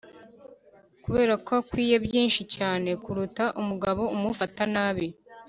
kuberako akwiye byinshi cyane, kuruta umugabo umufata nabi.